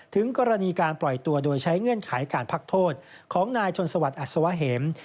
ถึงกรณีการปล่อยตัวโดยใช้เงื่อนไขการพักโทษของนายชนสวัสดิอัศวะเห็ม